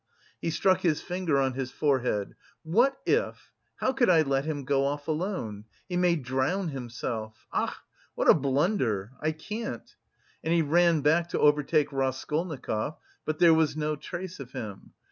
He struck his finger on his forehead. "What if... how could I let him go off alone? He may drown himself.... Ach, what a blunder! I can't." And he ran back to overtake Raskolnikov, but there was no trace of him.